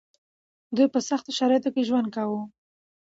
دوی په سختو شرايطو کې ژوند کاوه.